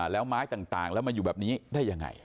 แล้วไม้ต่างแล้วมาอยู่แบบนี้ได้ยังไง